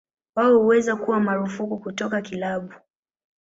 Wao huweza kuwa marufuku kutoka kilabu.